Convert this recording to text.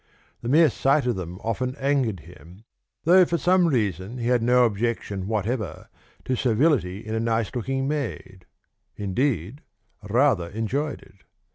The mere sight of them often angered him, though for some reason he had no objection whatever to servility in a nice looking maid indeed, rather enjoyed it.